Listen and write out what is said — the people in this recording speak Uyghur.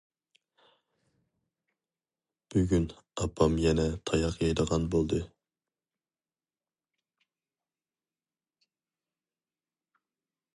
بۈگۈن ئاپام يەنە تاياق يەيدىغان بولدى.